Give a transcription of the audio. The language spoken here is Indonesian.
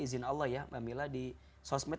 izin allah ya mbak mila di sosmed